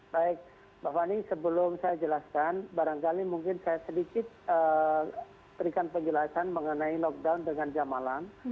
baik mbak fani sebelum saya jelaskan barangkali mungkin saya sedikit berikan penjelasan mengenai lockdown dengan jam malam